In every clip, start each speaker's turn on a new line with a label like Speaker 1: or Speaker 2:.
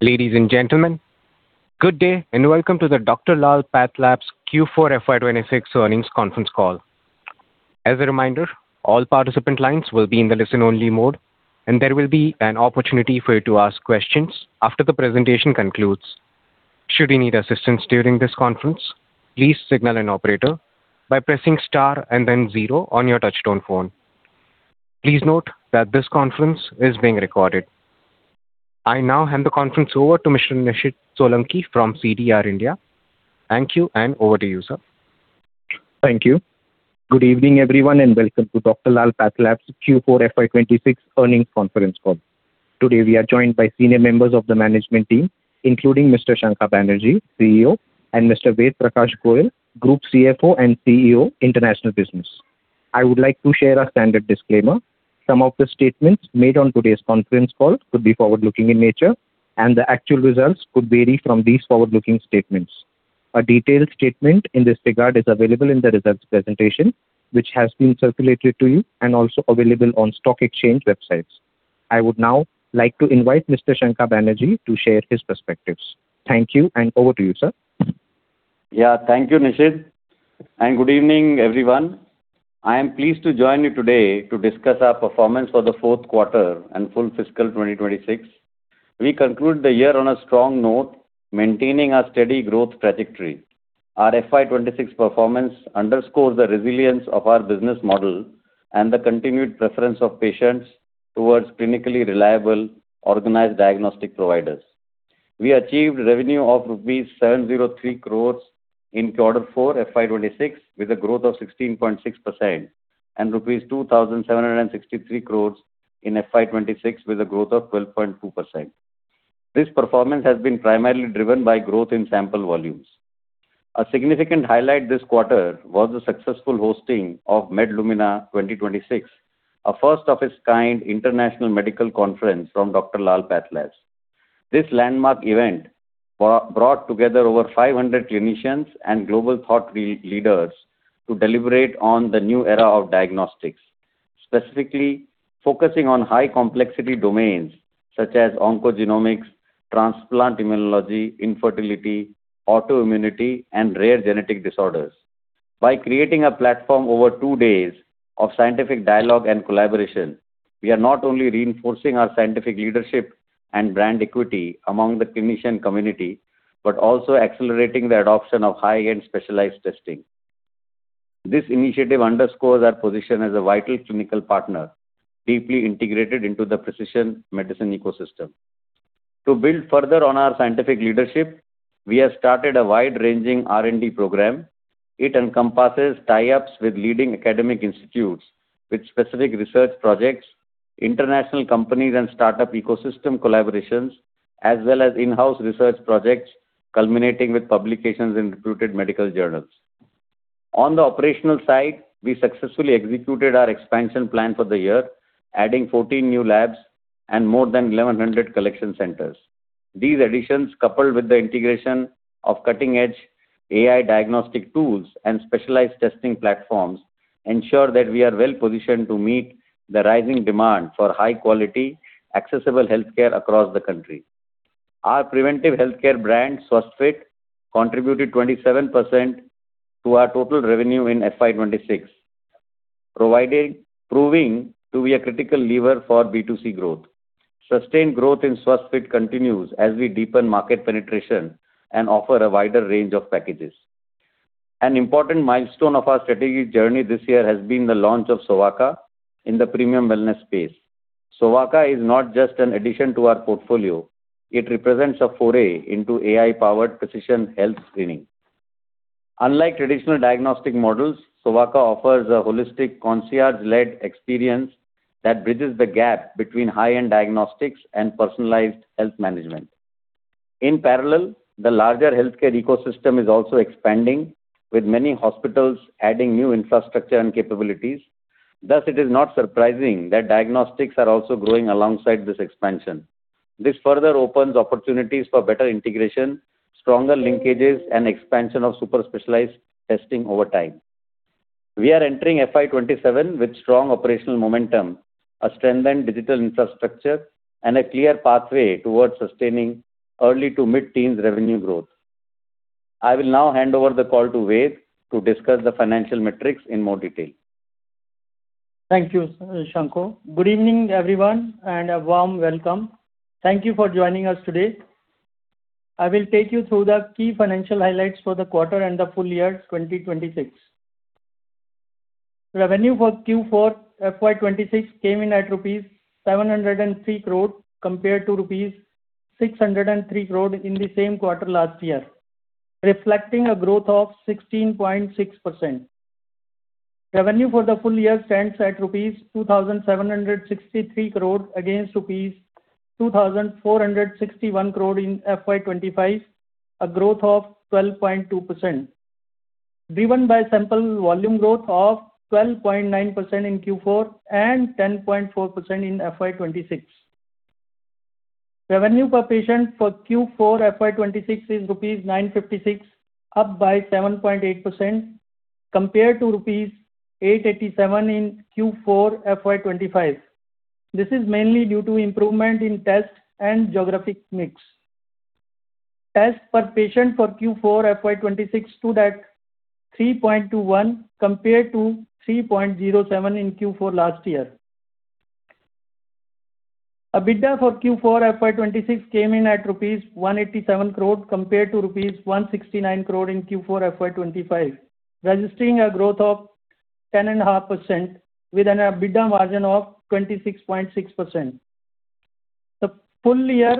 Speaker 1: Ladies and gentlemen, good day, welcome to the Dr. Lal PathLabs Q4 FY 2026 earnings conference call. As a reminder, all participant lines will be in the listen only mode, and there will be an opportunity for you to ask questions after the presentation concludes. Should you need assistance during this conference, please signal an operator by pressing star and then zero on your touchtone phone. Please note that this conference is being recorded. I now hand the conference over to Mr. Nishid Solanki from CDR India. Thank you, over to you, sir.
Speaker 2: Thank you. Good evening, everyone, and welcome to Dr. Lal PathLabs Q4 FY 2026 earnings conference call. Today, we are joined by senior members of the management team, including Mr. Shankha Banerjee, CEO, and Mr. Ved Prakash Goel, Group CFO and CEO, International Business. I would like to share our standard disclaimer. Some of the statements made on today's conference call could be forward-looking in nature, and the actual results could vary from these forward-looking statements. A detailed statement in this regard is available in the results presentation, which has been circulated to you and also available on stock exchange websites. I would now like to invite Mr. Shankha Banerjee to share his perspectives. Thank you, and over to you, sir.
Speaker 3: Thank you, Nishid, and good evening, everyone. I am pleased to join you today to discuss our performance for the fourth quarter and full fiscal 2026. We conclude the year on a strong note, maintaining a steady growth trajectory. Our FY 2026 performance underscores the resilience of our business model and the continued preference of patients towards clinically reliable organized diagnostic providers. We achieved revenue of rupees 703 crores in quarter four FY 2026 with a growth of 16.6% and rupees 2,763 crores in FY 2026 with a growth of 12.2%. This performance has been primarily driven by growth in sample volumes. A significant highlight this quarter was the successful hosting of Medllumina 2026, a first of its kind international medical conference from Dr. Lal PathLabs. This landmark event brought together over 500 clinicians and global thought leaders to deliberate on the new era of diagnostics, specifically focusing on high complexity domains such as oncogenomic, transplant immunology, infertility, autoimmunity, and rare genetic disorders. By creating a platform over two days of scientific dialogue and collaboration, we are not only reinforcing our scientific leadership and brand equity among the clinician community but also accelerating the adoption of high-end specialized testing. This initiative underscores our position as a vital clinical partner, deeply integrated into the precision medicine ecosystem. To build further on our scientific leadership, we have started a wide-ranging R&D program. It encompasses tie-ups with leading academic institutes with specific research projects, international companies and startup ecosystem collaborations, as well as in-house research projects culminating with publications in reputed medical journals. On the operational side, we successfully executed our expansion plan for the year, adding 14 new labs and more than 1,100 collection centers. These additions, coupled with the integration of cutting-edge AI diagnostic tools and specialized testing platforms, ensure that we are well-positioned to meet the rising demand for high quality, accessible healthcare across the country. Our preventive healthcare brand, Swasthfit, contributed 27% to our total revenue in FY 2026, proving to be a critical lever for B2C growth. Sustained growth in Swasthfit continues as we deepen market penetration and offer a wider range of packages. An important milestone of our strategic journey this year has been the launch of Sovaaka in the premium wellness space. Sovaaka is not just an addition to our portfolio, it represents a foray into AI-powered precision health screening. Unlike traditional diagnostic models, Sovaaka offers a holistic concierge-led experience that bridges the gap between high-end diagnostics and personalized health management. In parallel, the larger healthcare ecosystem is also expanding, with many hospitals adding new infrastructure and capabilities. Thus, it is not surprising that diagnostics are also growing alongside this expansion. This further opens opportunities for better integration, stronger linkages and expansion of super specialized testing over time. We are entering FY 2027 with strong operational momentum, a strengthened digital infrastructure, and a clear pathway towards sustaining early to mid-teens revenue growth. I will now hand over the call to Ved to discuss the financial metrics in more detail.
Speaker 4: Thank you, Shankha. Good evening, everyone, and a warm welcome. Thank you for joining us today. I will take you through the key financial highlights for the quarter and the full year 2026. Revenue for Q4 FY 2026 came in at rupees 703 crores compared to rupees 603 crores in the same quarter last year, reflecting a growth of 16.6%. Revenue for the full year stands at rupees 2,763 crores against rupees 2,461 crores in FY 2025, a growth of 12.2%, driven by sample volume growth of 12.9% in Q4 and 10.4% in FY 2026. Revenue per patient for Q4 FY 2026 is rupees 956, up by 7.8% compared to rupees 887 in Q4 FY 2025. This is mainly due to improvement in test and geographic mix. Test per patient for Q4 FY 2026 stood at 3.21 compared to 3.07 in Q4 last year. EBITDA for Q4 FY 2026 came in at rupees 187 crores compared to rupees 169 crores in Q4 FY 2025, registering a growth of 10.5% with an EBITDA margin of 26.6%. The full year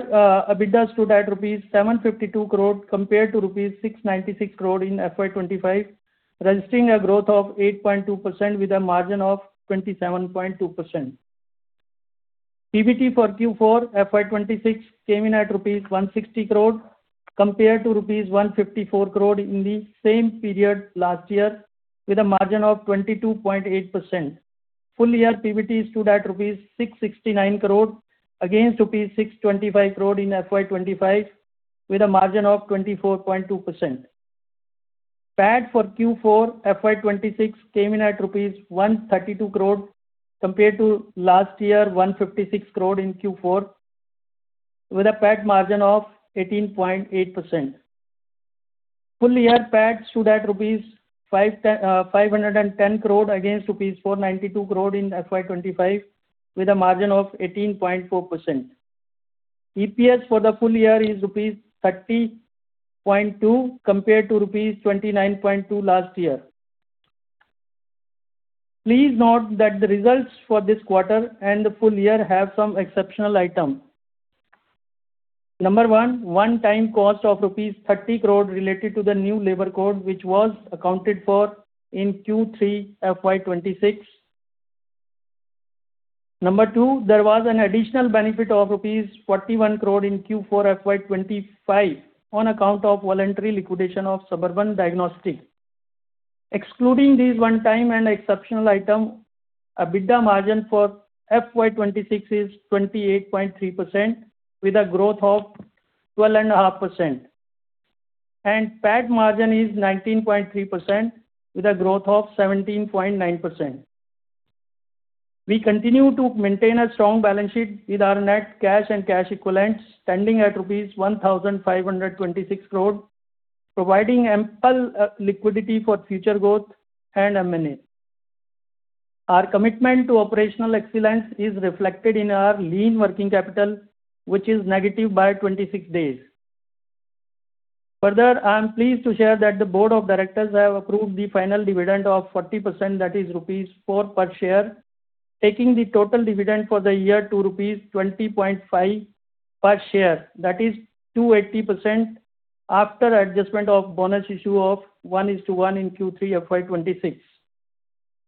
Speaker 4: EBITDA stood at rupees 752 crores compared to rupees 696 crores in FY 2025, registering a growth of 8.2% with a margin of 27.2%. PBT for Q4 FY 2026 came in at INR 160 crores compared to INR 154 crores in the same period last year with a margin of 22.8%. Full year PBT stood at INR 669 crores against INR 625 crores in FY 2025 with a margin of 24.2%. PAT for Q4 FY 2026 came in at rupees 132 crores compared to last year 156 crores in Q4 with a PAT margin of 18.8%. Full year PAT stood at rupees 510 crores against rupees 492 crores in FY 2025 with a margin of 18.4%. EPS for the full year is rupees 30.2 compared to rupees 29.2 last year. Please note that the results for this quarter and the full year have some exceptional item. Number 1, one-time cost of rupees 30 crores related to the new labor code, which was accounted for in Q3 FY 2026. Number 2, there was an additional benefit of rupees 41 crores in Q4 FY 2025 on account of voluntary liquidation of Suburban Diagnostics. Excluding this one-time and exceptional item, EBITDA margin for FY 2026 is 28.3% with a growth of 12.5%, and PAT margin is 19.3% with a growth of 17.9%. We continue to maintain a strong balance sheet with our net cash and cash equivalents standing at rupees 1,526 crores, providing ample liquidity for future growth and M&A. Our commitment to operational excellence is reflected in our lean working capital, which is negative by 26 days. Further, I am pleased to share that the board of directors have approved the final dividend of 40%, that is rupees 4 per share, taking the total dividend for the year to rupees 20.5 per share. That is 280% after adjustment of bonus issue of 1:1 in Q3 FY 2026.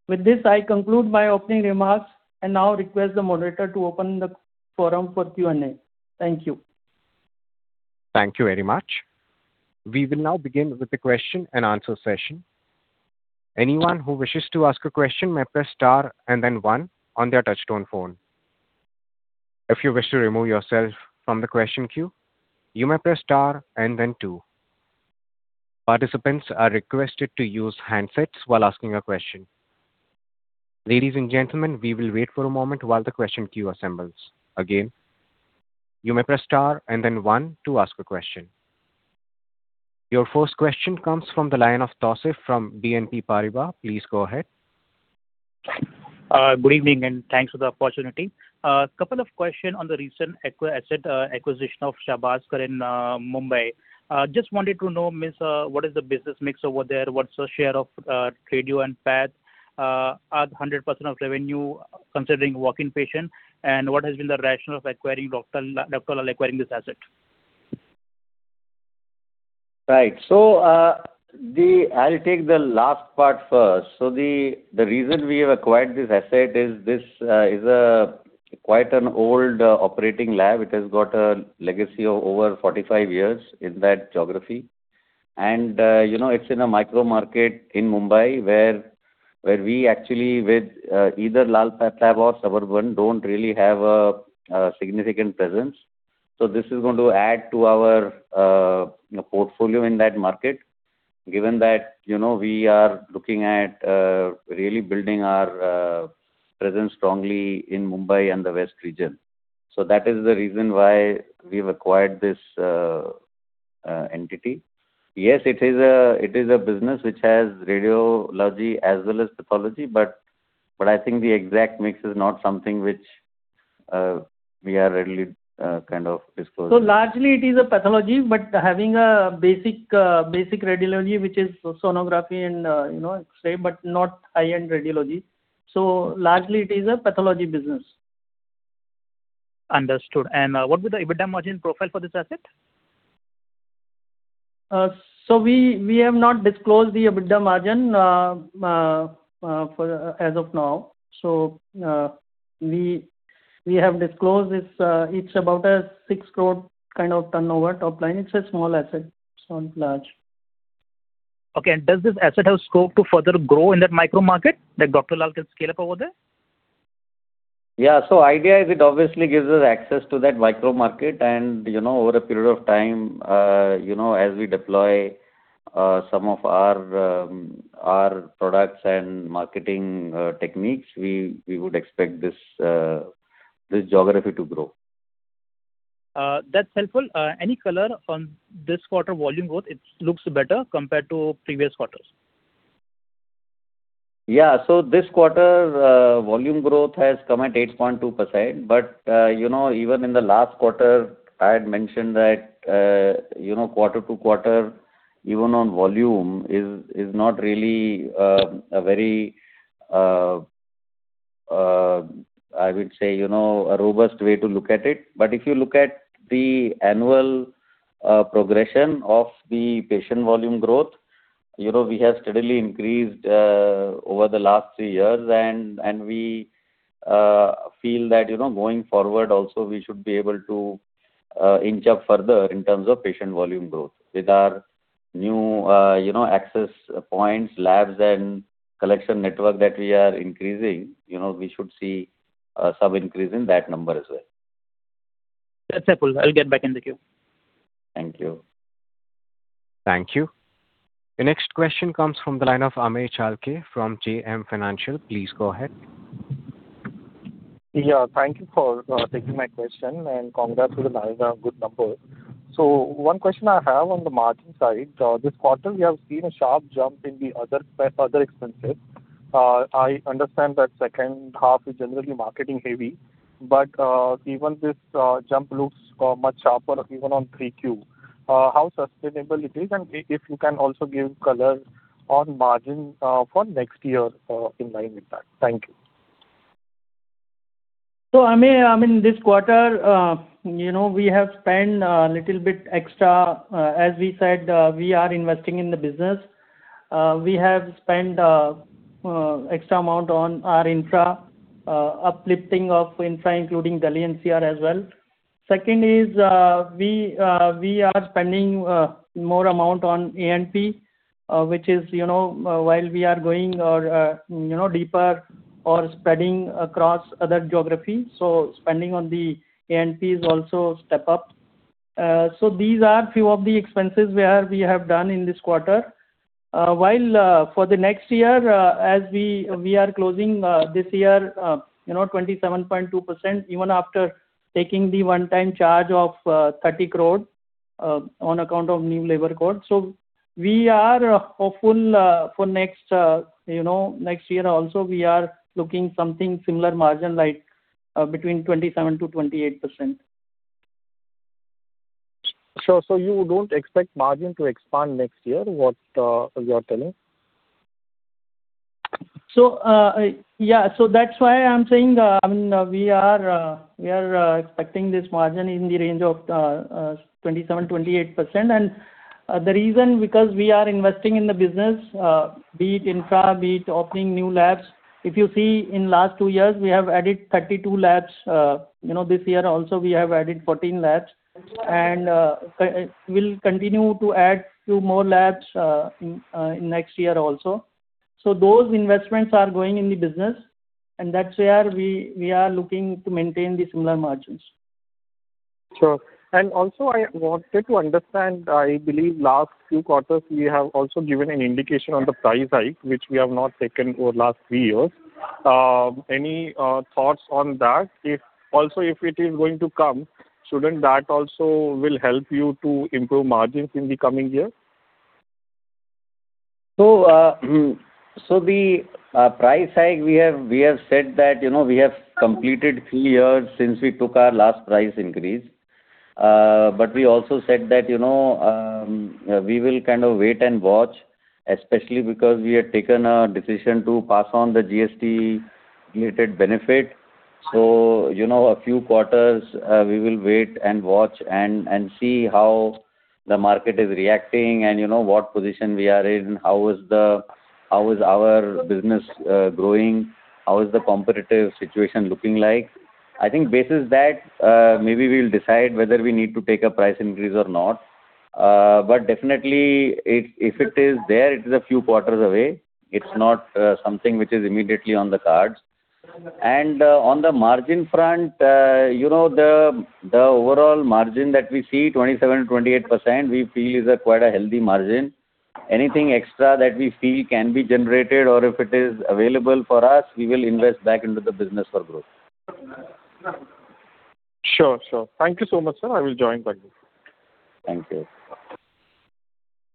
Speaker 4: With this, I conclude my opening remarks and now request the moderator to open the forum for Q&A. Thank you.
Speaker 1: Thank you very much. We will now begin with the question-and-answer session. Anyone who wishes to ask a question may press star and then one on their touchtone phone. If you wish to remove yourself from the question queue, you may press star and then two. Participants are requested to use handsets while asking a question. Ladies and gentlemen, we will wait for a moment while the question queue assembles. Again, you may press star and then one to ask a question. Your first question comes from the line of Tausif from BNP Paribas. Please go ahead.
Speaker 5: Good evening and thanks for the opportunity. Couple of question on the recent asset acquisition of Shahbazker's in Mumbai. Just wanted to know, Mis, what is the business mix over there? What's the share of radiology and pathology at 100% of revenue considering walk-in patient, and what has been the rationale of acquiring Dr. Lal acquiring this asset?
Speaker 3: Right. I'll take the last part first. The reason we have acquired this asset is this is quite an old operating lab. It has got a legacy of over 45 years in that geography. You know, it's in a micro market in Mumbai where we actually with either Lal PathLabs or Suburban don't really have a significant presence. This is going to add to our, you know, portfolio in that market. Given that, you know, we are looking at really building our presence strongly in Mumbai and the West region. That is the reason why we've acquired this entity. Yes, it is a business which has radiology as well as pathology, but I think the exact mix is not something which we are readily kind of disclosing.
Speaker 4: largely it is a pathology, but having a basic radiology, which is sonography and, you know, X-ray, but not high-end radiology. largely it is a pathology business.
Speaker 5: Understood. What would the EBITDA margin profile for this asset?
Speaker 4: We have not disclosed the EBITDA margin for as of now. We have disclosed this it's about a 6 crore kind of turnover top line. It's a small asset. It's not large.
Speaker 5: Okay. Does this asset have scope to further grow in that micro market that Dr. Lal can scale up over there?
Speaker 3: Yeah. Idea is it obviously gives us access to that micro market and, you know, over a period of time, you know, as we deploy some of our products and marketing techniques, we would expect this geography to grow.
Speaker 5: That's helpful. Any color on this quarter volume growth, it looks better compared to previous quarters.
Speaker 3: Yeah. This quarter, volume growth has come at 8.2%. You know, even in the last quarter, I had mentioned that, you know, quarter to quarter even on volume is not really a very, I would say, you know, a robust way to look at it. If you look at the annual progression of the patient volume growth, you know, we have steadily increased over the last three years and we feel that, you know, going forward also we should be able to inch up further in terms of patient volume growth. With our new, you know, access points, labs and collection network that we are increasing, you know, we should see some increase in that number as well.
Speaker 5: That's helpful. I'll get back in the queue.
Speaker 3: Thank you.
Speaker 1: Thank you. The next question comes from the line of Amey Chalke from JM Financial. Please go ahead.
Speaker 6: Yeah. Thank you for taking my question, and congrats to the nice, good number. One question I have on the margin side. This quarter we have seen a sharp jump in the other expenses. I understand that second half is generally marketing heavy, but even this jump looks much sharper even on Q3. How sustainable it is and if you can also give color on margin for next year in line with that. Thank you.
Speaker 4: Amey, in this quarter, we have spent a little bit extra. As we said, we are investing in the business. We have spent extra amount on our infra, uplifting of infra, including Delhi NCR as well. Second is, we are spending more amount on A&P, which is, while we are growing or deeper or spreading across other geographies. Spending on the A&Ps also step up. These are few of the expenses where we have done in this quarter. While for the next year, as we are closing this year, 27.2% even after taking the one-time charge of 30 crore on account of new labor code. We are hopeful, for next, you know, next year also we are looking something similar margin like, between 27%-28%.
Speaker 6: Sure. You don't expect margin to expand next year, what you are telling?
Speaker 4: Yeah. That's why I'm saying, we are expecting this margin in the range of 27%-28%. The reason because we are investing in the business, be it infra, be it opening new labs. If you see in last two years we have added 32 labs. You know, this year also we have added 14 labs. We'll continue to add few more labs in next year also. Those investments are going in the business, and that's where we are looking to maintain the similar margins.
Speaker 6: Sure. I wanted to understand, I believe last few quarters you have also given an indication on the price hike, which we have not taken over last three years. Any thoughts on that? If it is going to come, shouldn't that also help you to improve margins in the coming year?
Speaker 3: The price hike, we have said that, you know, we have completed three years since we took our last price increase. We also said that, you know, we will kind of wait and watch, especially because we had taken a decision to pass on the GST-related benefit. You know, a few quarters, we will wait and watch and see how the market is reacting and, you know, what position we are in, how is our business growing, how is the competitive situation looking like. I think basis that, maybe we'll decide whether we need to take a price increase or not. Definitely if it is there, it is a few quarters away. It's not something which is immediately on the cards. On the margin front, you know, the overall margin that we see, 27%-28%, we feel is a quite a healthy margin. Anything extra that we feel can be generated or if it is available for us, we will invest back into the business for growth.
Speaker 6: Sure. Sure. Thank you so much, sir. I will join back.
Speaker 3: Thank you.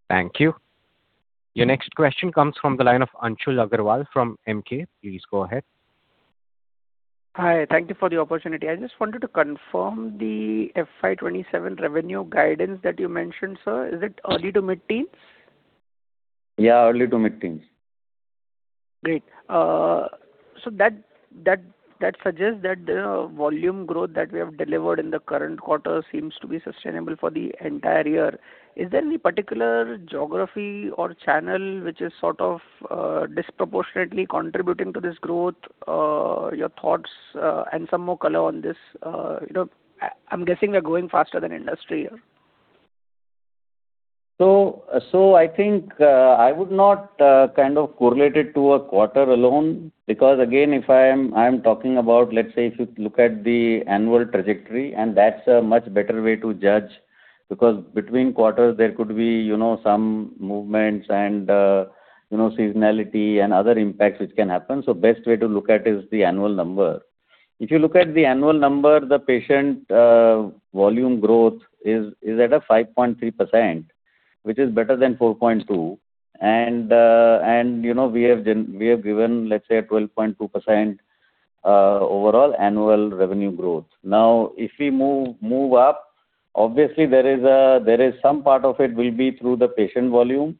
Speaker 1: Thank you. Your next question comes from the line of Anshul Agrawal from Emkay. Please go ahead.
Speaker 7: Hi. Thank you for the opportunity. I just wanted to confirm the FY 2027 revenue guidance that you mentioned, sir. Is it early to mid-teens?
Speaker 3: Yeah, early to mid-teens.
Speaker 7: Great. That suggests that the volume growth that we have delivered in the current quarter seems to be sustainable for the entire year. Is there any particular geography or channel which is sort of disproportionately contributing to this growth? Your thoughts, and some more color on this, you know, I'm guessing you're going faster than industry here.
Speaker 3: I think I would not kind of correlate it to a quarter alone because again, if I am talking about, let's say, if you look at the annual trajectory and that's a much better way to judge because between quarters there could be, you know, some movements and, you know, seasonality and other impacts which can happen. Best way to look at is the annual number. If you look at the annual number, the patient volume growth is at a 5.3%, which is better than 4.2%. You know, we have given, let's say 12.2% overall annual revenue growth. Now, if we move up, obviously there is some part of it will be through the patient volume,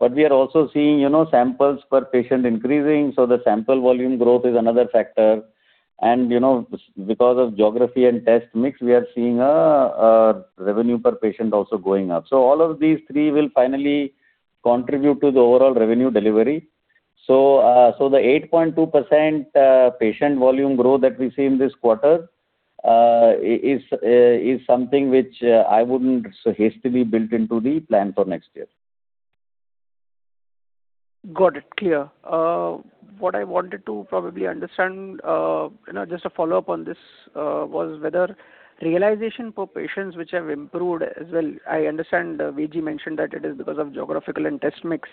Speaker 3: but we are also seeing, you know, samples per patient increasing, so the sample volume growth is another factor. You know, because of geography and test mix, we are seeing a revenue per patient also going up. All of these three will finally contribute to the overall revenue delivery. The 8.2% patient volume growth that we see in this quarter is something which I wouldn't so hastily build into the plan for next year.
Speaker 7: Got it. Clear. What I wanted to probably understand, you know, just a follow-up on this, was whether realization per patients which have improved as well. I understand Ved mentioned that it is because of geographical and test mix.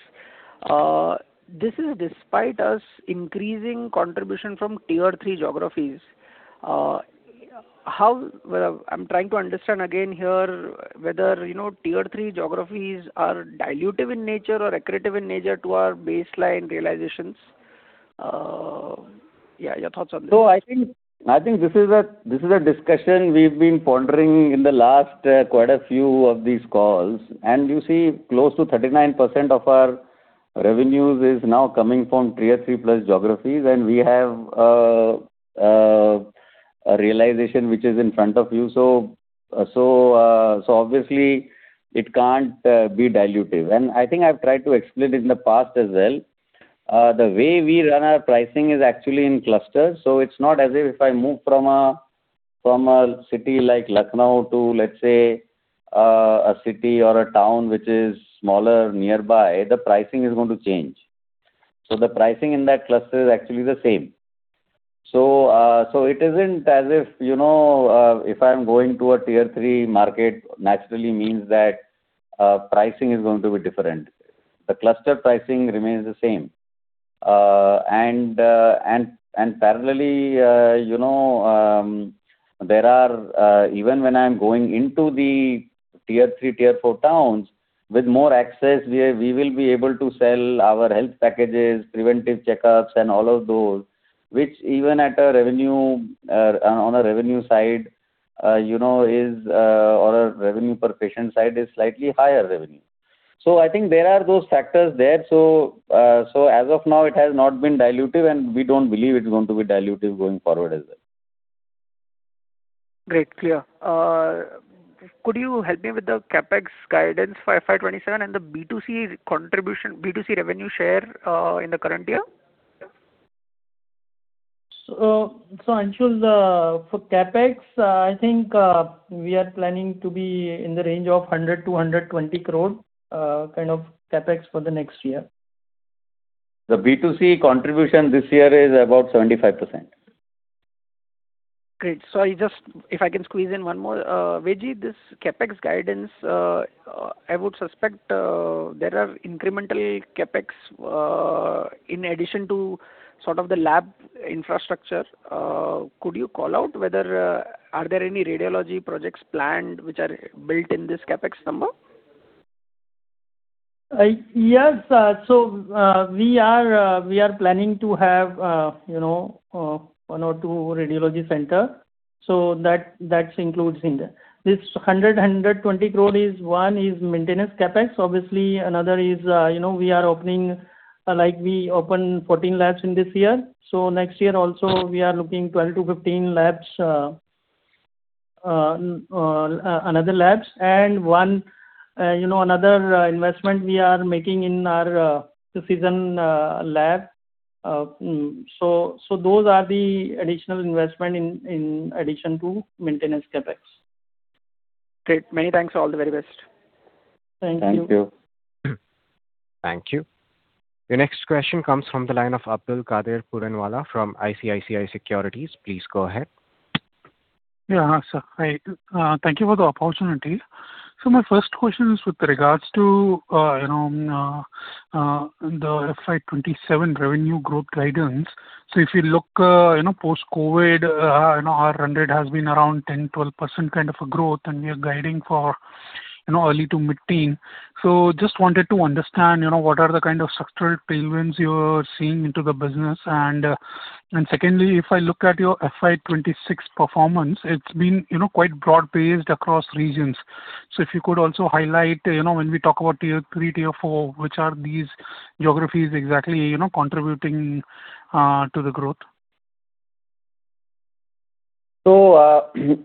Speaker 7: This is despite us increasing contribution from Tier 3 geographies. Well, I'm trying to understand again here whether, you know, Tier 3 geographies are dilutive in nature or accretive in nature to our baseline realizations. Yeah, your thoughts on this.
Speaker 3: I think this is a discussion we've been pondering in the last quite a few of these calls. You see close to 39% of our revenues is now coming from Tier 3 plus geographies, and we have a realization which is in front of you. Obviously, it can't be dilutive. I think I've tried to explain it in the past as well. The way we run our pricing is actually in clusters. It's not as if I move from a city like Lucknow to, let's say, a city or a town which is smaller nearby, the pricing is going to change. The pricing in that cluster is actually the same. It isn't as if I'm going to a Tier 3 market naturally means that pricing is going to be different. The cluster pricing remains the same. Parallelly, even when I'm going into the Tier 3, Tier 4 towns with more access, we will be able to sell our health packages, preventive checkups and all of those, which even at a revenue, on a revenue side, is or a revenue per patient side is slightly higher revenue. I think there are those factors there. As of now, it has not been dilutive, and we don't believe it's going to be dilutive going forward as well.
Speaker 7: Great. Clear. Could you help me with the CapEx guidance for FY 2027 and the B2C revenue share in the current year?
Speaker 4: Anshul, for CapEx, I think, we are planning to be in the range of 100-120 crore, kind of CapEx for the next year.
Speaker 3: The B2C contribution this year is about 75%.
Speaker 7: Great. If I can squeeze in one more. Viji, this CapEx guidance, I would suspect, there are incremental CapEx, in addition to sort of the lab infrastructure. Could you call out whether, are there any radiology projects planned which are built in this CapEx number?
Speaker 4: Yes. We are planning to have, you know, 1 or 2 radiology center. That's includes in there. This 120 crore is 1 is maintenance CapEx, obviously. Another is, you know, we are opening, like we opened 14 labs in this year. Next year also we are looking 12-15 labs, another labs. One, you know, another investment we are making in our precision lab. Those are the additional investment in addition to maintenance CapEx.
Speaker 7: Great. Many thanks. All the very best.
Speaker 4: Thank you.
Speaker 3: Thank you.
Speaker 1: Thank you. The next question comes from the line of Abdulkader Puranwala from ICICI Securities. Please go ahead.
Speaker 8: Yeah. Hi, sir. Hi. Thank you for the opportunity. My first question is with regards to the FY 2027 revenue growth guidance. If you look, post-COVID, our run rate has been around 10%, 12% kind of a growth, and we are guiding for, you know, early to mid-teen. Just wanted to understand, you know, what are the kind of structural tailwinds you are seeing into the business? Secondly, if I look at your FY 2026 performance, it's been, you know, quite broad-based across regions. If you could also highlight, you know, when we talk about Tier 3, Tier 4, which are these geographies exactly, you know, contributing to the growth?
Speaker 3: You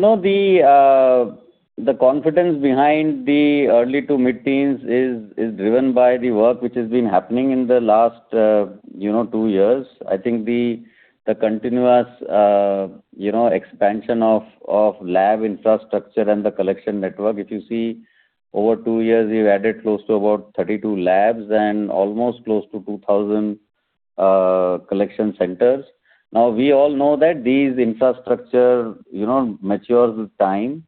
Speaker 3: know, the confidence behind the early to mid-teens is driven by the work which has been happening in the last, you know, two years. I think the continuous, you know, expansion of lab infrastructure and the collection network. If you see over two years, we've added close to about 32 labs and almost close to 2,000 collection centers. We all know that this infrastructure, you know, matures with time.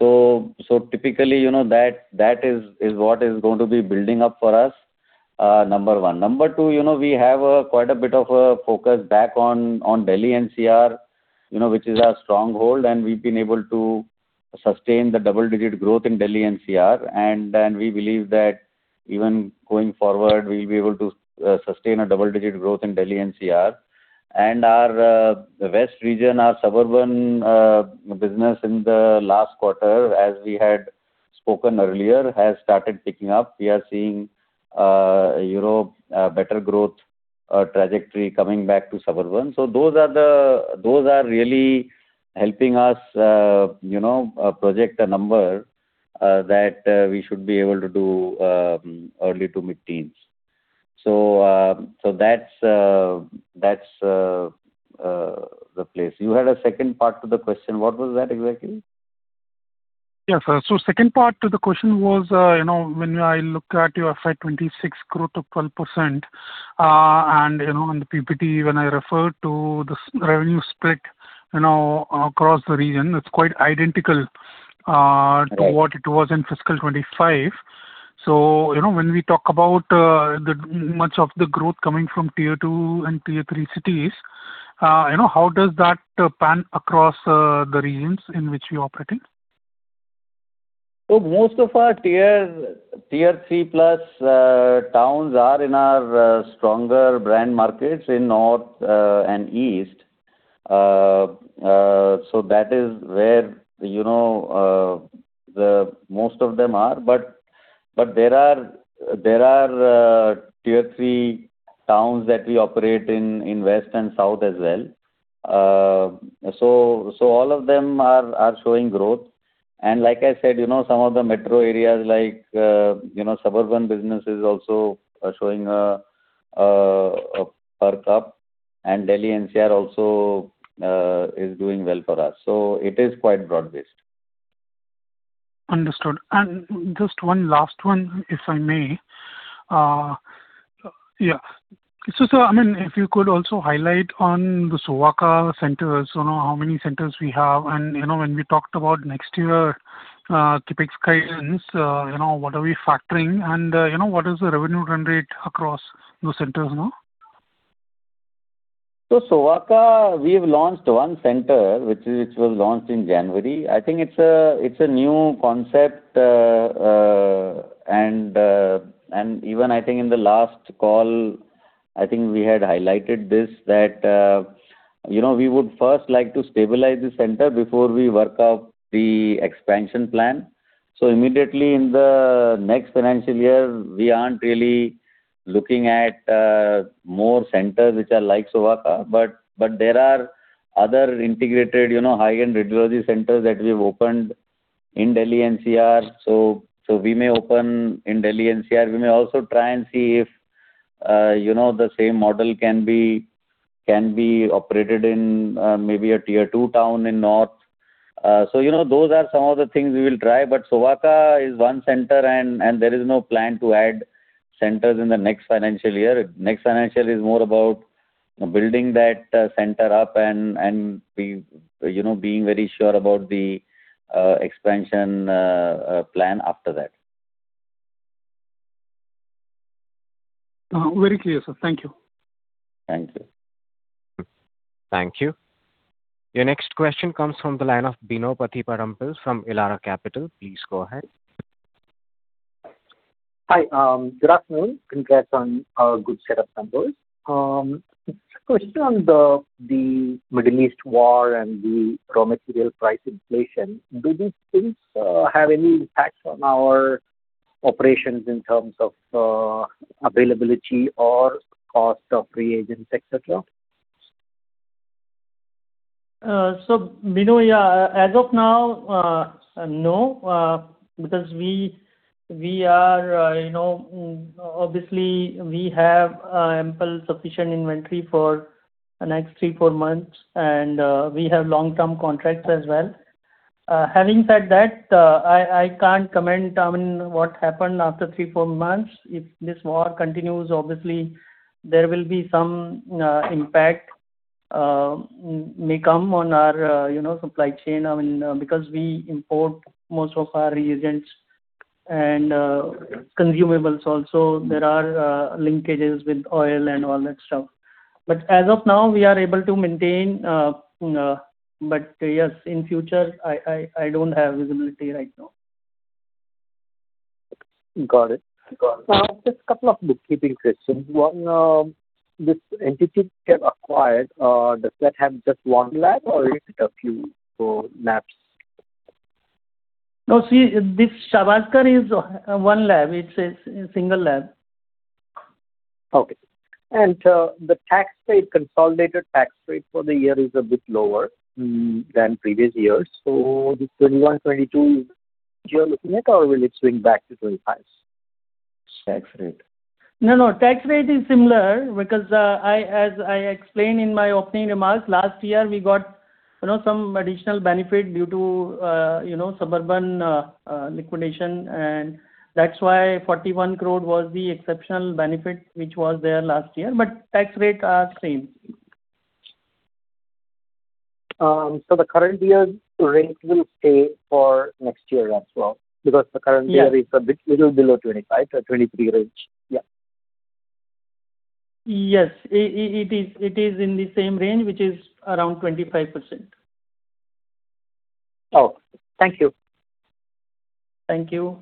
Speaker 3: Typically, you know, that is what is going to be building up for us, number one. Number two, you know, we have quite a bit of a focus back on Delhi NCR, you know, which is our stronghold, and we've been able to sustain the double-digit growth in Delhi NCR. We believe that even going forward, we'll be able to sustain a double-digit growth in Delhi NCR. Our west region, our Suburban business in the last quarter, as we had spoken earlier, has started picking up. We are seeing, you know, better growth trajectory coming back to Suburban. Those are really helping us, you know, project a number that we should be able to do early to mid-teens. That's the place. You had a second part to the question. What was that exactly?
Speaker 8: Yes, sir. Second part to the question was, you know, when I look at your FY 2026 growth of 12%, you know, in the PPT when I refer to this revenue split, you know, across the region, it's quite identical.
Speaker 3: Right...
Speaker 8: to what it was in fiscal 2025. You know, when we talk about the much of the growth coming from Tier 2 and Tier 3 cities, you know, how does that pan across the regions in which you operate in?
Speaker 3: Look, most of our tiers, Tier 3 plus, towns are in our stronger brand markets in north and east. That is where, you know, the most of them are. But there are Tier 3 towns that we operate in west and south as well. All of them are showing growth. Like I said, you know, some of the metro areas like, you know, Suburban Diagnostics business is also showing a perk up and Delhi NCR also is doing well for us. It is quite broad-based.
Speaker 8: Understood. Just one last one, if I may. Yeah. I mean, if you could also highlight on the Sovaaka centers, you know, how many centers we have and, you know, when we talked about next year, CapEx guidance, you know, what are we factoring and, you know, what is the revenue run rate across those centers now?
Speaker 3: Sovaaka, we've launched one center, which was launched in January. It's a new concept, and even in the last call, we had highlighted this, that, you know, we would first like to stabilize the center before we work out the expansion plan. Immediately in the next financial year, we aren't really looking at more centers which are like Sovaaka. There are other integrated, you know, high-end radiology centers that we've opened in Delhi NCR. We may open in Delhi NCR. We may also try and see if, you know, the same model can be operated in maybe a Tier 2 town in north. You know, those are some of the things we will try. Sovaaka is one center and there is no plan to add centers in the next financial year. Next financial is more about building that center up and be, you know, being very sure about the expansion plan after that.
Speaker 8: Very clear, sir. Thank you.
Speaker 3: Thank you.
Speaker 1: Thank you. Your next question comes from the line of Bino Pathiparampil from Elara Capital. Please go ahead.
Speaker 9: Hi. Good afternoon. Congrats on a good set of numbers. Just a question on the Middle East war and the raw material price inflation. Do these things have any impact on our operations in terms of availability or cost of reagents, et cetera?
Speaker 3: Bino, as of now, no, because we are, you know, obviously we have ample sufficient inventory for the next three, four months, and we have long-term contracts as well. Having said that, I can't comment on what happened after three, four months. If this war continues, obviously there will be some impact may come on our, you know, supply chain. I mean, because we import most of our reagents and consumables also. There are linkages with oil and all that stuff. As of now, we are able to maintain. Yes, in future, I, I don't have visibility right now.
Speaker 9: Got it. Got it. Just a couple of bookkeeping questions. One, this entity you have acquired, does that have just one lab or is it a few labs?
Speaker 3: No, see, this Shahbazkers is one lab. It's a single lab.
Speaker 9: Okay. The tax rate, consolidated tax rate for the year is a bit lower than previous years. This 2021, 2022, here looking at or will it swing back to 25% tax rate?
Speaker 4: No, tax rate is similar because, as I explained in my opening remarks, last year we got. You know, some additional benefit due to, you know, Suburban liquidation and that's why 41 crore was the exceptional benefit which was there last year. Tax rates are same.
Speaker 9: The current year rate will stay for next year as well because the current year.
Speaker 4: Yeah
Speaker 9: is a bit little below 25, 23 range. Yeah.
Speaker 4: Yes. It is in the same range, which is around 25%.
Speaker 9: Oh, thank you.
Speaker 4: Thank you.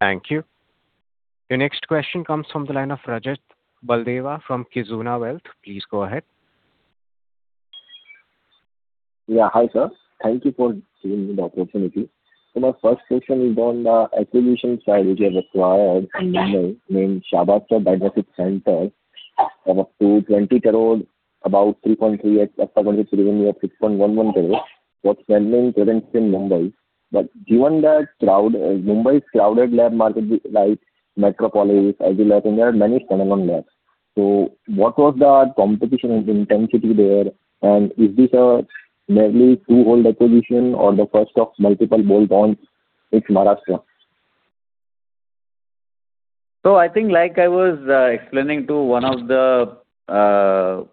Speaker 1: Thank you. Your next question comes from the line of Rajat Baldewa from Kizuna Wealth. Please go ahead.
Speaker 10: Hi, sir. Thank you for giving me the opportunity. My first question is on the acquisition side, which you have acquired in Mumbai named Shahbazkers Diagnostic Centre of up to INR 20 crore, about 3.3x estimated revenue of INR 6.11 crore for establishing presence in Mumbai. Given that crowd, Mumbai's crowded lab market like Micro Labs, Easy Lab, and there are many standalone labs. What was the competition intensity there, and is this a merely two-whole acquisition or the first of multiple bolt-ons in Maharashtra?
Speaker 3: I think like I was explaining to one of the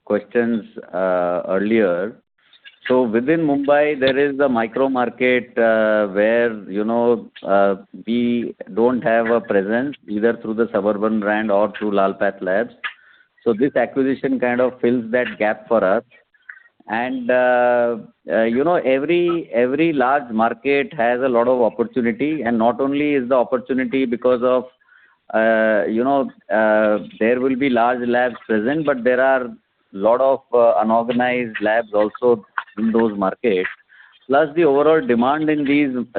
Speaker 3: questions earlier. Within Mumbai, there is a micro market where, you know, we don't have a presence either through the Suburban Diagnostics or through Lalpath Labs. This acquisition kind of fills that gap for us. You know, every large market has a lot of opportunity, and not only is the opportunity because of, you know, there will be large labs present, but there are lot of unorganized labs also in those markets. Plus, the overall demand in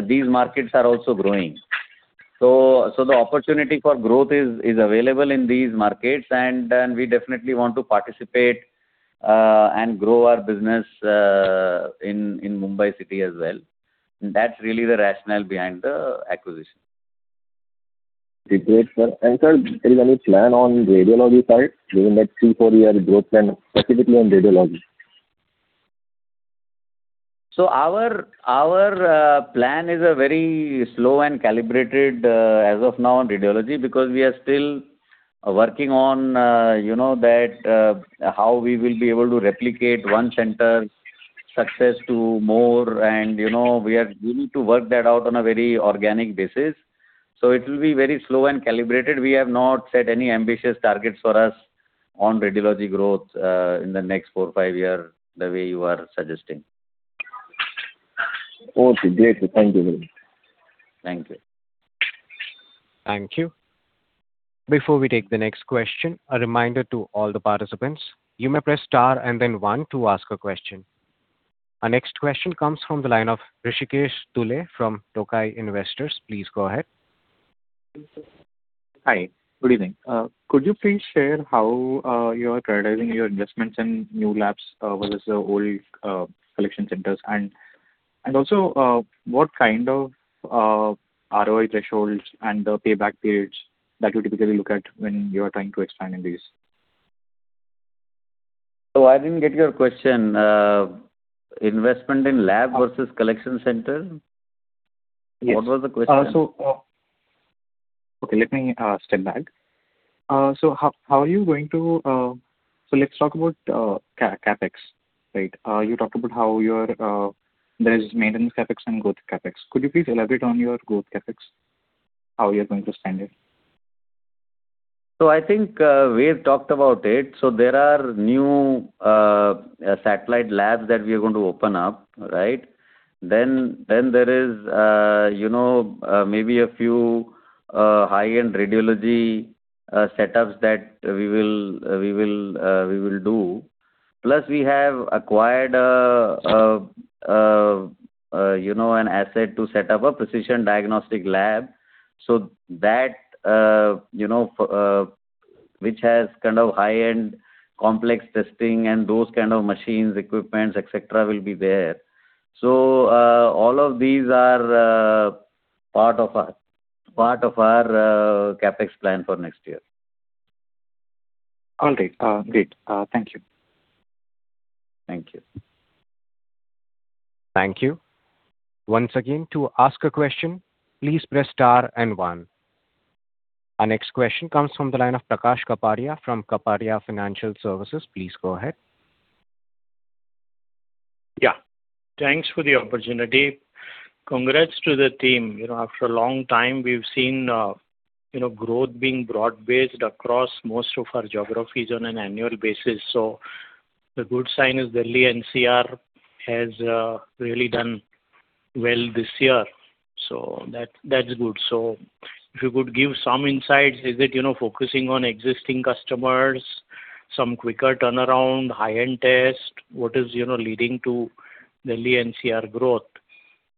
Speaker 3: these markets are also growing. The opportunity for growth is available in these markets. We definitely want to participate and grow our business in Mumbai city as well. That's really the rationale behind the acquisition.
Speaker 10: Great, sir. Sir, is there any plan on radiology side during next three, four-year growth plan, specifically on radiology?
Speaker 3: Our, our plan is a very slow and calibrated, as of now on radiology because we are still working on, you know, that, how we will be able to replicate 1 center success to more and, you know, we need to work that out on a very organic basis. It will be very slow and calibrated. We have not set any ambitious targets for us on radiology growth, in the next four or five years, the way you are suggesting.
Speaker 10: Okay, great. Thank you very much.
Speaker 3: Thank you.
Speaker 1: Thank you. Before we take the next question, a reminder to all the participants, you may press star and then one to ask a question. Our next question comes from the line of Hrishikesh Tule from Tokai Investors. Please go ahead.
Speaker 11: Hi. Good evening. Could you please share how you are prioritizing your investments in new labs versus the old collection centers? Also, what kind of ROI thresholds and the payback periods that you typically look at when you are trying to expand in these?
Speaker 3: I didn't get your question. Investment in lab versus collection center?
Speaker 11: Yes.
Speaker 3: What was the question?
Speaker 11: Okay, let me step back. Let's talk about CapEx, right? You talked about how you're, there is maintenance CapEx and growth CapEx. Could you please elaborate on your growth CapEx, how you're going to spend it?
Speaker 3: I think, we've talked about it. There are new satellite labs that we are going to open up, right? Then there is, you know, maybe a few high-end radiology setups that we will do. Plus, we have acquired, you know, an asset to set up a precision diagnostic lab so that, you know, which has kind of high-end complex testing and those kind of machines, equipments, et cetera, will be there. All of these are part of our CapEx plan for next year.
Speaker 11: All right. Great. Thank you.
Speaker 3: Thank you.
Speaker 1: Thank you. Once again, to ask a question, please press star and one. Our next question comes from the line of Prakash Kapadia from Kapadia Financial Services. Please go ahead.
Speaker 12: Yeah. Thanks for the opportunity. Congrats to the team. You know, after a long time we've seen, you know, growth being broad-based across most of our geographies on an annual basis. The good sign is Delhi NCR has really done well this year. That's good. If you could give some insights, is it, you know, focusing on existing customers, some quicker turnaround, high-end test? What is, you know, leading to Delhi NCR growth?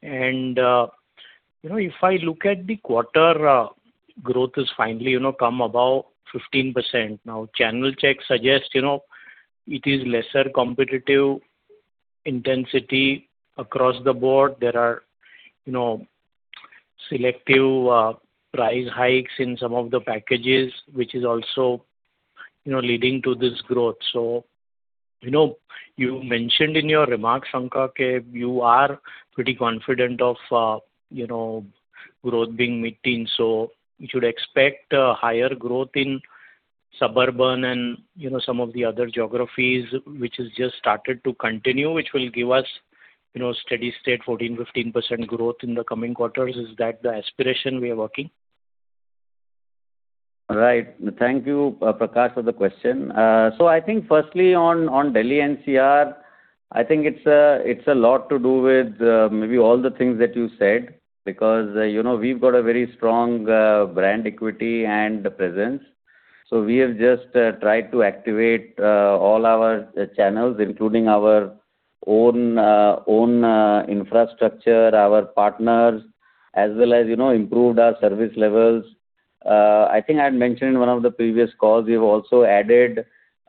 Speaker 12: You know, if I look at the quarter, growth has finally, you know, come above 15%. Now channel check suggests, you know, it is lesser competitive intensity across the board. There are selective price hikes in some of the packages, which is also, you know, leading to this growth. You know, you mentioned in your remarks, Shankha, that you are pretty confident of, you know, growth being mid-teen, so we should expect higher growth in Suburban and, you know, some of the other geographies which has just started to continue, which will give us, you know, steady state 14%-15% growth in the coming quarters. Is that the aspiration we are working?
Speaker 3: Thank you, Prakash, for the question. I think firstly on Delhi NCR, I think it's a lot to do with maybe all the things that you said because, you know, we've got a very strong brand equity and presence. We have just tried to activate all our channels, including our own own infrastructure, our partners, as well as, you know, improved our service levels. I think I had mentioned in one of the previous calls, we've also added,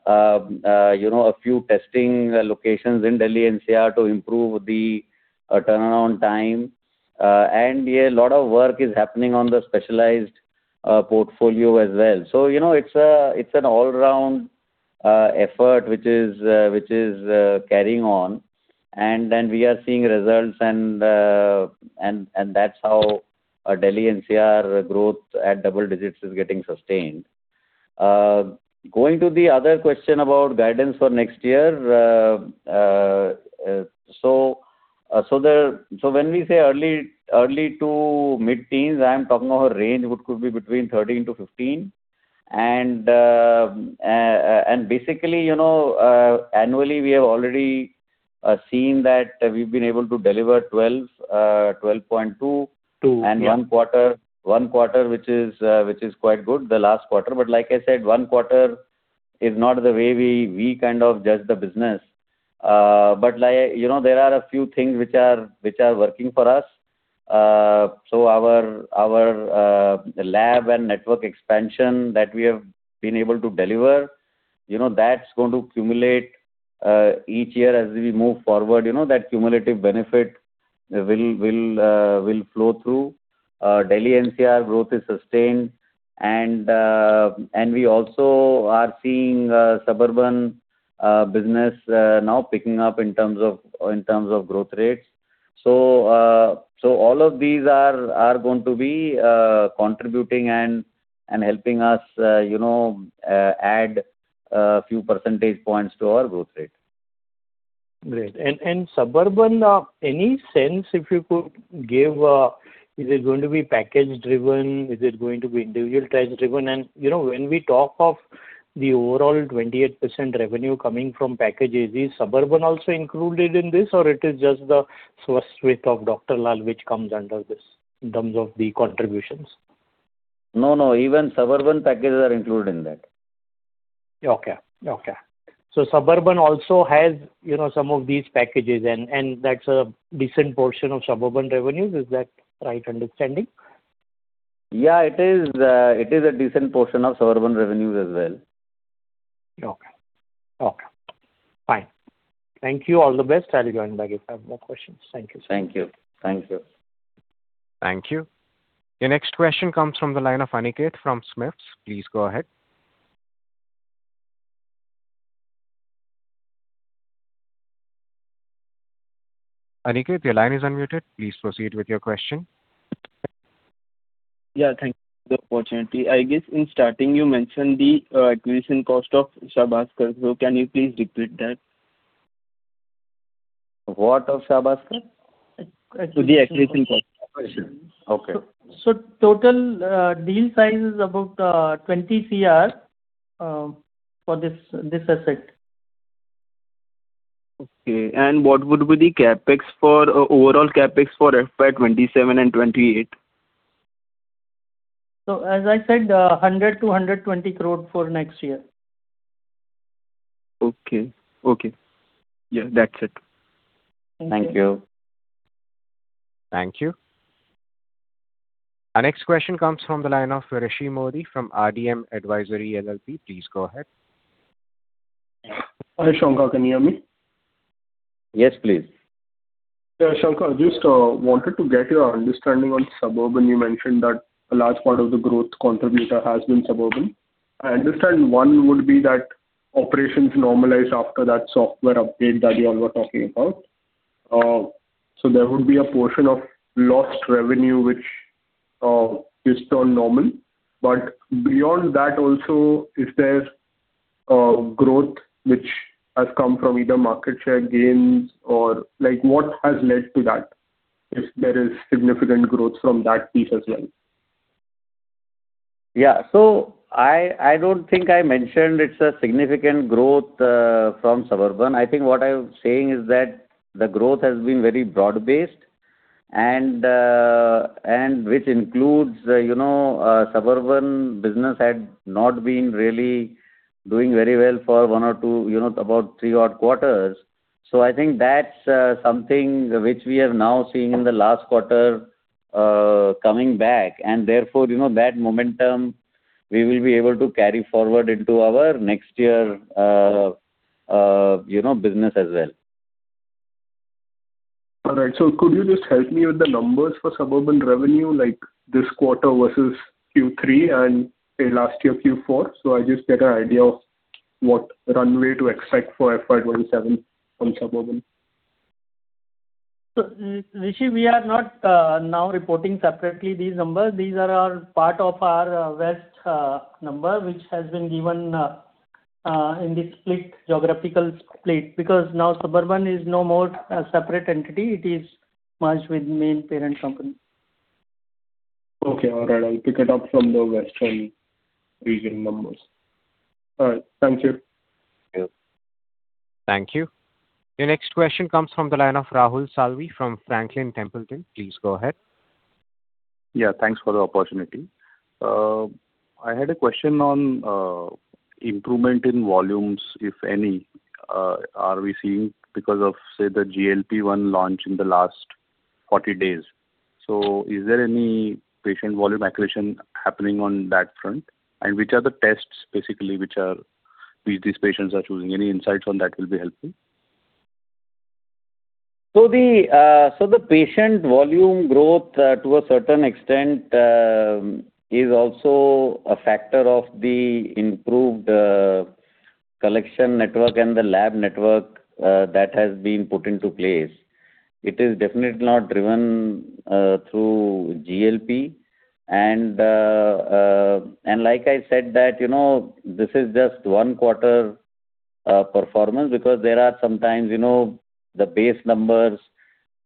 Speaker 3: you know, a few testing locations in Delhi NCR to improve the turnaround time. Yeah, a lot of work is happening on the specialized portfolio as well. You know, it's an all-round effort which is carrying on. We are seeing results and that's how our Delhi NCR growth at double digits is getting sustained. Going to the other question about guidance for next year. When we say early to mid-teens, I am talking about a range which could be between 13 to 15. Basically, you know, annually we have already seen that we've been able to deliver 12.2-
Speaker 12: Two, yeah.
Speaker 3: One quarter which is quite good, the last quarter. Like I said, one quarter is not the way we kind of judge the business. Like, you know, there are a few things which are working for us. Our lab and network expansion that we have been able to deliver, you know, that's going to accumulate each year as we move forward. You know that cumulative benefit will flow through. Delhi NCR growth is sustained, and we also are seeing Suburban Diagnostics business now picking up in terms of growth rates. All of these are going to be contributing and helping us, you know, add a few percentage points to our growth rate.
Speaker 12: Great. Suburban, any sense if you could give, is it going to be package driven? Is it going to be individualized driven? You know, when we talk of the overall 28% revenue coming from packages, is Suburban also included in this or it is just the test mix of Dr. Lal which comes under this in terms of the contributions?
Speaker 3: No, no, even Suburban packages are included in that.
Speaker 12: Okay. Okay. Suburban also has, you know, some of these packages and that's a decent portion of Suburban revenues. Is that right understanding?
Speaker 3: Yeah, it is, it is a decent portion of Suburban revenues as well.
Speaker 12: Okay. Okay. Fine. Thank you. All the best. I will join back if I have more questions. Thank you.
Speaker 3: Thank you. Thank you.
Speaker 1: Thank you. Your next question comes from the line of Aniket from SMIFS. Please go ahead.
Speaker 13: Thank you for the opportunity. I guess in starting you mentioned the acquisition cost of Shahbazkers. Can you please repeat that?
Speaker 3: What of Shahbazkers?
Speaker 13: Acquisition.
Speaker 3: The acquisition cost. Okay.
Speaker 4: Total deal size is about 20 crore for this asset.
Speaker 13: Okay. What would be the overall CapEx for FY 2027 and 2028?
Speaker 4: As I said, 100 crore-120 crore for next year.
Speaker 13: Okay. Okay. Yeah, that's it.
Speaker 4: Thank you.
Speaker 3: Thank you.
Speaker 1: Our next question comes from the line of Rishi Mody from RDM Advisory LLP. Please go ahead.
Speaker 14: Hi, Shankha. Can you hear me?
Speaker 3: Yes, please.
Speaker 14: Yeah, Shankha. Just wanted to get your understanding on Suburban Diagnostics. You mentioned that a large part of the growth contributor has been Suburban Diagnostics. I understand one would be that operations normalize after that software update that you all were talking about. There would be a portion of lost revenue which is still normal. Beyond that also, is there growth which has come from either market share gains or like what has led to that, if there is significant growth from that piece as well?
Speaker 3: I don't think I mentioned it's a significant growth from suburban. I think what I'm saying is that the growth has been very broad-based and which includes, you know, suburban business had not been really doing very well for one or two, you know, about three odd quarters. I think that's something which we are now seeing in the last quarter coming back and therefore, you know, that momentum we will be able to carry forward into our next year, you know, business as well.
Speaker 14: All right. Could you just help me with the numbers for Suburban revenue, like this quarter versus Q3 and, say, last year Q4, so I just get an idea of what runway to expect for FY 2027 from Suburban.
Speaker 4: Rishi, we are not now reporting separately these numbers. These are our part of our West number, which has been given in the split geographical split because now Suburban is no more a separate entity. It is merged with main parent company.
Speaker 14: Okay. All right. I'll pick it up from the Western region numbers. All right. Thank you.
Speaker 4: Yeah.
Speaker 1: Thank you. Your next question comes from the line of Rahul Salvi from Franklin Templeton. Please go ahead.
Speaker 15: Yeah, thanks for the opportunity. I had a question on improvement in volumes, if any, are we seeing because of, say, the GLP-1 launch in the last 40 days. Is there any patient volume accretion happening on that front? Which are the tests basically which are these patients are choosing? Any insights on that will be helpful.
Speaker 3: The patient volume growth, to a certain extent, is also a factor of the improved collection network and the lab network that has been put into place. It is definitely not driven through GLP and, like I said that, you know, this is just one quarter performance because there are sometimes you know, the base numbers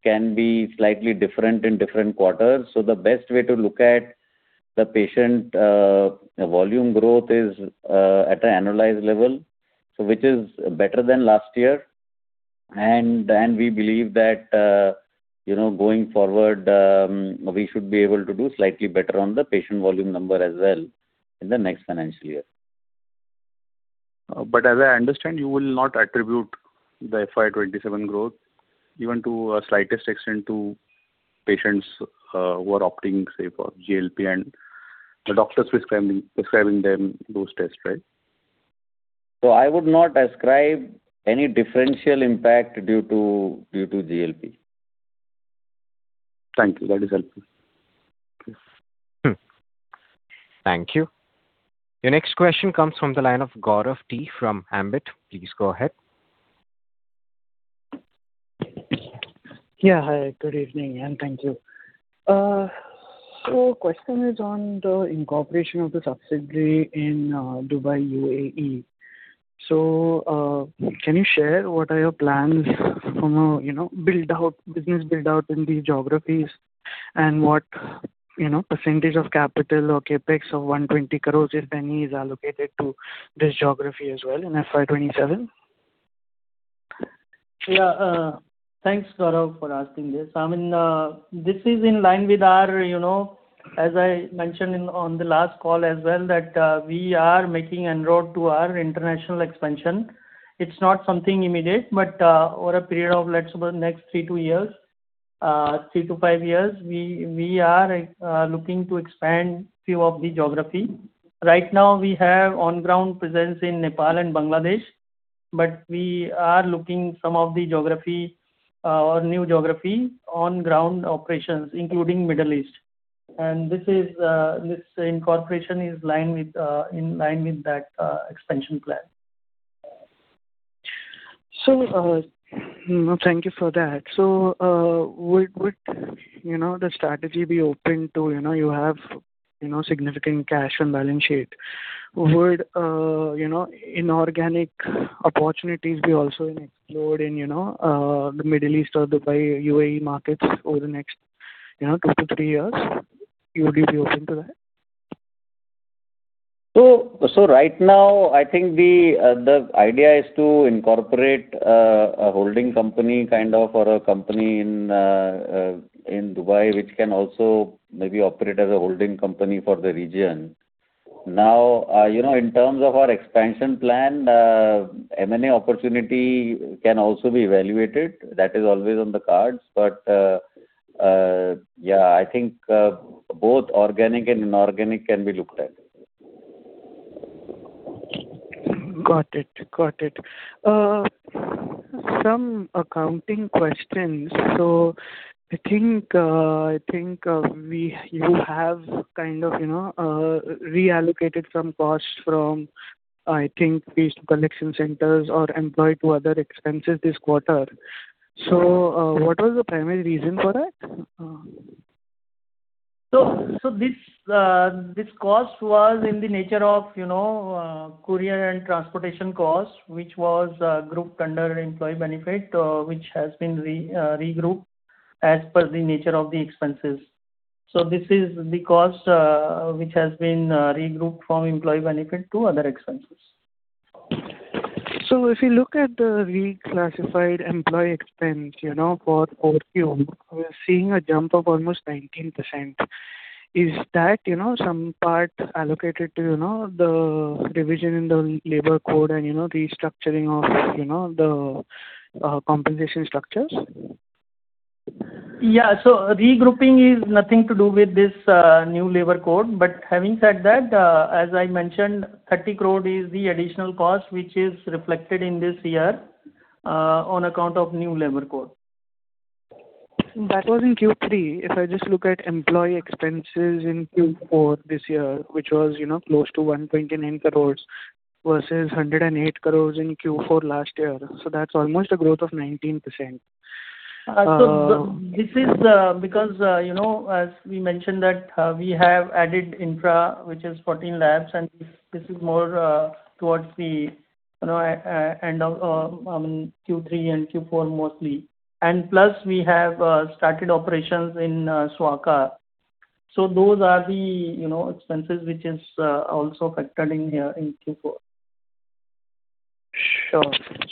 Speaker 3: can be slightly different in different quarters. The best way to look at the patient volume growth is at an annualized level, which is better than last year. We believe that, you know, going forward, we should be able to do slightly better on the patient volume number as well in the next financial year.
Speaker 15: As I understand, you will not attribute the FY 2027 growth even to a slightest extent to patients, who are opting, say, for GLP and the doctors prescribing them those tests, right?
Speaker 3: I would not ascribe any differential impact due to GLP.
Speaker 15: Thank you. That is helpful.
Speaker 1: Thank you. Your next question comes from the line of Gaurav T from Ambit. Please go ahead.
Speaker 16: Hi, good evening, and thank you. Question is on the incorporation of the subsidiary in Dubai, UAE. Can you share what are your plans from a, you know, build-out, business build-out in these geographies and what, you know, percentage of capital or CapEx of 120 crores, if any, is allocated to this geography as well in FY 2027?
Speaker 4: Thanks, Gaurav, for asking this. I mean, this is in line with our, you know, as I mentioned in on the last call as well, that we are making inroads to our international expansion. It's not something immediate, but over a period of, let's say, next three, two years, three to five years, we are looking to expand few of the geography. Right now, we have on-ground presence in Nepal and Bangladesh, but we are looking some of the geography or new geography on-ground operations, including Middle East. This incorporation is in line with that expansion plan.
Speaker 16: Thank you for that. Would, you know, the strategy be open to, you know, you have, you know, significant cash on balance sheet. Would, you know, inorganic opportunities be also explored in, you know, the Middle East or Dubai, U.A.E. markets over the next, you know, two to three years? Would you be open to that?
Speaker 3: Right now, I think the idea is to incorporate a holding company kind of, or a company in Dubai, which can also maybe operate as a holding company for the region. Now, you know, in terms of our expansion plan, M&A opportunity can also be evaluated. That is always on the cards. Yeah, I think both organic and inorganic can be looked at.
Speaker 16: Got it. Some accounting questions. I think you have kind of, you know, reallocated some costs from, I think, these collection centers or employed to other expenses this quarter. What was the primary reason for that?
Speaker 4: This cost was in the nature of, you know, courier and transportation costs, which was grouped under employee benefit, which has been regrouped as per the nature of the expenses. This is the cost which has been regrouped from employee benefit to other expenses.
Speaker 16: If you look at the reclassified employee expense, you know, for Q, we are seeing a jump of almost 19%. Is that, you know, some part allocated to, you know, the revision in the labor code and, you know, restructuring of, you know, the compensation structures?
Speaker 4: Yeah. Regrouping is nothing to do with this new labor code. Having said that, as I mentioned, 30 crore is the additional cost which is reflected in this year on account of new labor code.
Speaker 16: That was in Q3. If I just look at employee expenses in Q4 this year, which was, you know, close to 129 crores versus 108 crores in Q4 last year. That's almost a growth of 19%.
Speaker 4: This is because, you know, as we mentioned that, we have added infra, which is 14 labs, and this is more towards the, you know, end of, I mean, Q3 and Q4 mostly. Plus, we have started operations in Sovaaka. Those are the, you know, expenses which is also factored in here in Q4.
Speaker 16: Sure.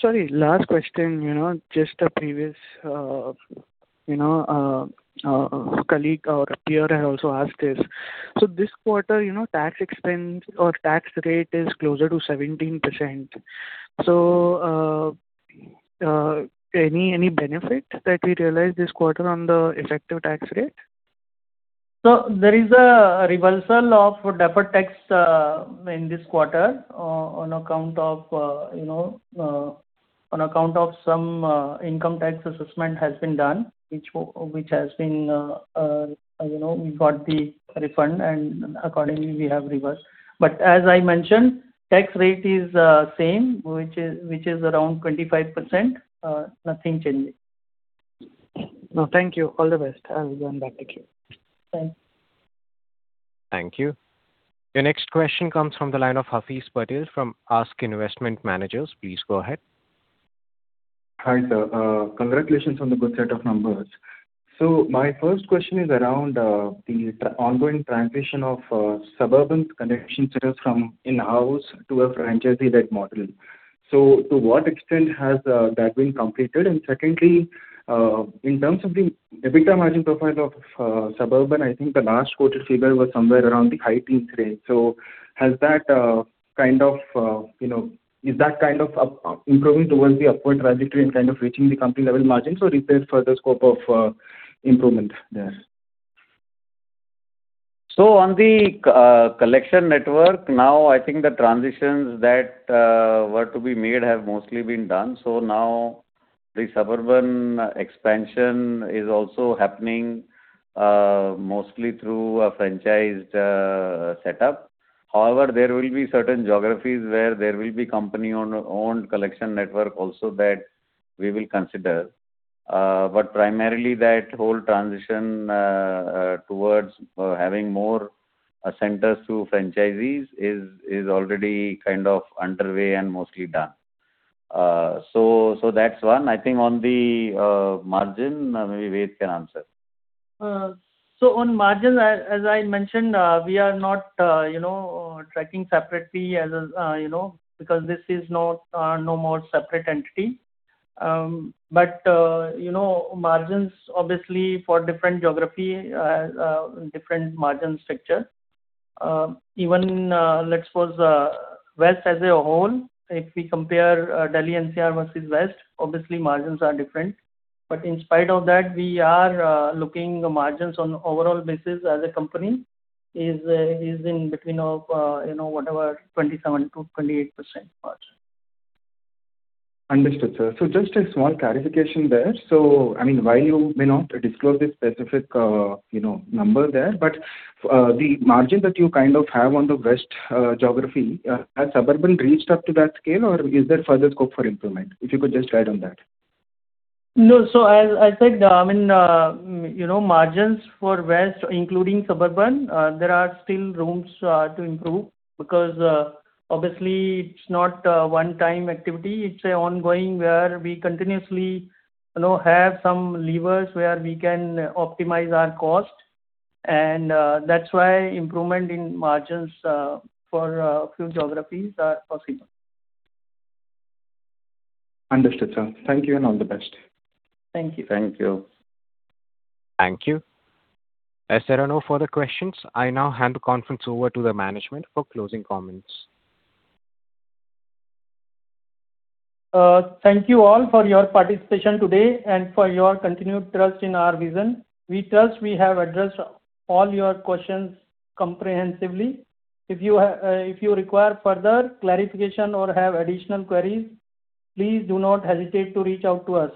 Speaker 16: Sorry, last question. You know, just a previous, you know, colleague or peer had also asked this. This quarter, you know, tax expense or tax rate is closer to 17%. Any benefit that we realized this quarter on the effective tax rate?
Speaker 4: There is a reversal of deferred tax in this quarter on account of, you know, on account of some income tax assessment has been done, which has been, you know, we got the refund and accordingly we have reversed. As I mentioned, tax rate is same, which is around 25%. Nothing changed.
Speaker 16: No, thank you. All the best. I will join back again.
Speaker 4: Thanks.
Speaker 1: Thank you. Your next question comes from the line of Hafeez Patel from ASK Investment Managers. Please go ahead.
Speaker 17: Hi, sir. Congratulations on the good set of numbers. My first question is around the ongoing transition of Suburban connection centers from in-house to a franchisee-led model. To what extent has that been completed? Secondly, in terms of the EBITDA margin profile of Suburban, I think the last quoted figure was somewhere around the high teens range. Has that kind of, you know, is that kind of improving towards the upward trajectory and kind of reaching the company level margin or is there further scope of improvement there?
Speaker 3: On the collection network now, I think the transitions that were to be made have mostly been done. Now the Suburban expansion is also happening mostly through a franchised setup. However, there will be certain geographies where there will be company owned collection network also that we will consider. But primarily that whole transition towards having more centers through franchisees is already kind of underway and mostly done. So, that's one. I think on the margin, maybe Ved can answer.
Speaker 4: On margin, as I mentioned, we are not, you know, tracking separately as a, you know, because this is not no more separate entity. You know, margins obviously for different geography, different margin structure. Even, let's suppose, West as a whole, if we compare Delhi NCR versus West, obviously margins are different. In spite of that, we are looking margins on overall basis as a company is in between of, you know, whatever, 27%-28% margin.
Speaker 17: Understood, sir. Just a small clarification there. I mean, while you may not disclose the specific, you know, number there, but the margin that you kind of have on the West, geography, has Suburban reached up to that scale or is there further scope for improvement? If you could just guide on that.
Speaker 4: No. As I said, margins for West, including Suburban, there are still rooms to improve because obviously it's not a one-time activity. It's an ongoing where we continuously have some levers where we can optimize our cost. That's why improvement in margins for few geographies are possible.
Speaker 17: Understood, sir. Thank you and all the best.
Speaker 4: Thank you.
Speaker 3: Thank you.
Speaker 1: Thank you. As there are no further questions, I now hand the conference over to the management for closing comments.
Speaker 3: Thank you all for your participation today and for your continued trust in our vision. We trust we have addressed all your questions comprehensively. If you require further clarification or have additional queries, please do not hesitate to reach out to us.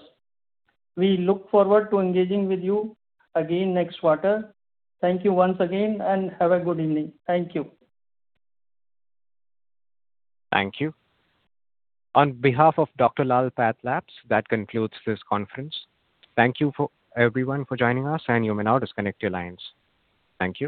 Speaker 3: We look forward to engaging with you again next quarter. Thank you once again and have a good evening. Thank you.
Speaker 1: Thank you. On behalf of Dr. Lal PathLabs, that concludes this conference. Thank you for everyone for joining us, and you may now disconnect your lines. Thank you.